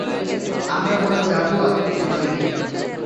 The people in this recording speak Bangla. আমরা কোনো জাগুয়ার চুরি করিনি।